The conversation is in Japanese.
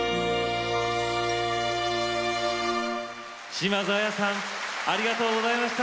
島津亜矢さんありがとうございました。